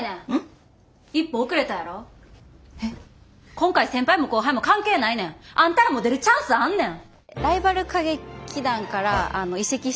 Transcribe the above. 今回先輩も後輩も関係ないねん。あんたらも出るチャンスあんねん。